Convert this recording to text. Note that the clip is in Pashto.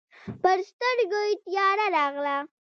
پر سترګو يې تياره راغله.